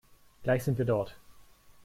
Gleich sind wir dort.